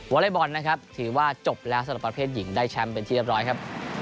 อเล็กบอลนะครับถือว่าจบแล้วสำหรับประเภทหญิงได้แชมป์เป็นที่เรียบร้อยครับ